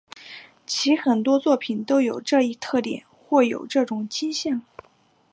其很多作品都有这一特点或有这种倾向。